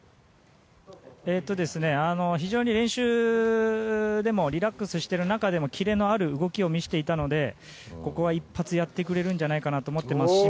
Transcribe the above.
非常に練習でもリラックスしている中でのキレのある動きを見せていたのでここは一発やってくれるんじゃないかと思ってますし。